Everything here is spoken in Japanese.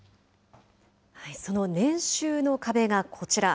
その年収の壁がこちら。